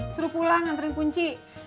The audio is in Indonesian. suruh pulang nantikan kunci